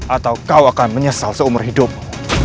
atau kau akan menyesal seumur hidupmu